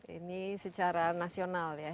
ini secara nasional ya